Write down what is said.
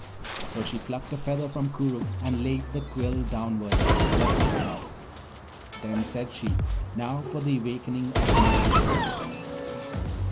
So she plucked a feather from Koorookh and laid the quill downward, letting it drop. Then said she, 'Now for the awakening of my betrothed!'